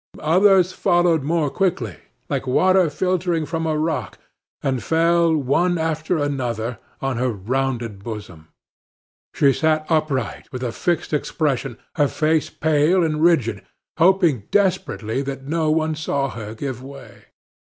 Others followed more quickly, like water filtering from a rock, and fell, one after another, on her rounded bosom. She sat upright, with a fixed expression, her face pale and rigid, hoping desperately that no one saw her give way.